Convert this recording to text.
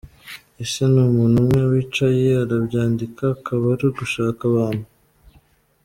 ese ni umuntu umwe wicaye arabyandika akaba ari gushaka abantu??